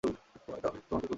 এইতো, আমি তোমাকেই খুঁজছি।